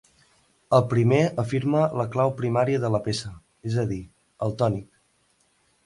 El primer afirma la clau primària de la peça, és a dir, el tònic.